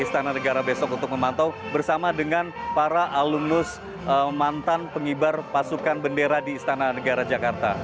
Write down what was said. istana negara besok untuk memantau bersama dengan para alumnus mantan pengibar pasukan bendera di istana negara jakarta